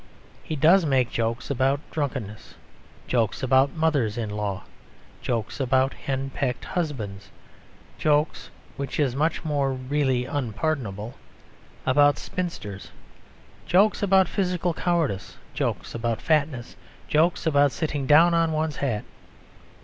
He does make jokes about drunkenness, jokes about mothers in law, jokes about henpecked husbands, jokes (which is much more really unpardonable) about spinsters, jokes about physical cowardice, jokes about fatness, jokes about sitting down on one's hat.